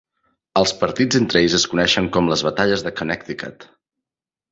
Els partits entre ells es coneixen com les "batalles de Connecticut".